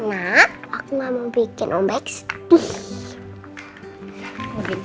aku nggak mau bikin om baik sedih